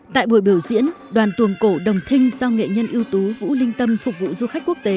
tại buổi biểu diễn đoàn tuồng cổ đồng thinh do nghệ nhân ưu tú vũ linh tâm phục vụ du khách quốc tế